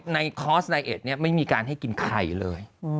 คอร์สไตเอ็ดเนี่ยไม่มีการให้กินไข่เลย